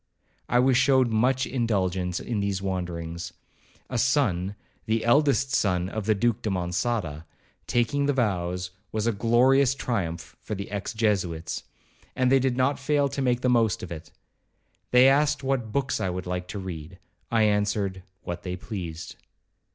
I was showed much indulgence in these wanderings. A son—the eldest son of the Duke de Monçada, taking the vows, was a glorious triumph for the ex Jesuits, and they did not fail to make the most of it. They asked what books I would like to read,—I answered, 'what they pleased.'